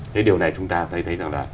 thế điều này chúng ta thấy rằng là